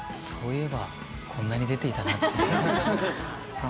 そういえばこんなに出ていたなと。